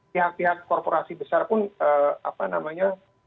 pihak pihak korporasi besar pun apa namanya